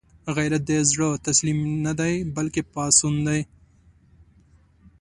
غیرت د زړه تسلیم نه دی، بلکې پاڅون دی